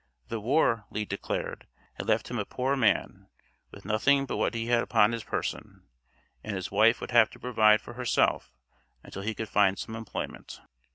The war, Lee declared, had left him a poor man, with nothing but what he had upon his person, and his wife would have to provide for herself until he could find some employment.